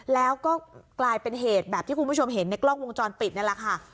แล้วก็กลายเป็นเหตุแบบที่คุณผู้ชมเห็นในกล้องวงจรปิดนี่แหละค่ะ